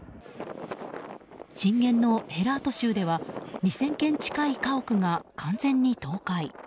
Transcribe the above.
震源のヘラート州では２０００軒近い家屋が完全に倒壊。